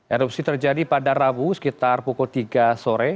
erupsi terjadi pada rabu sekitar pukul tiga sore